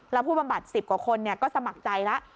แล้วผู้บำบัด๑๐กว่าคนก็สมัครใจแล้ว